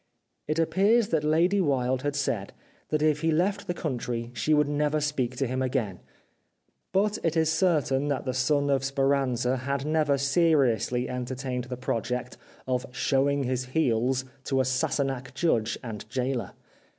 It appears that Lady 365 The Life of Oscar Wilde Wilde had said that if he left the country she would never speak to him again ; but it is certain that the son of Speranza had never seriously entertained the project of showing his heels to a Sassenach judge and gaoler.